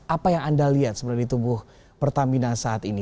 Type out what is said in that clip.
apa yang anda lihat sebenarnya di tubuh pertamina saat ini